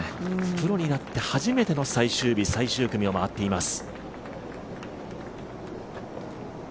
プロになって初めての最終日最終組を回っています。